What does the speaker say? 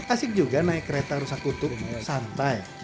asik juga naik kereta rusak kutub santai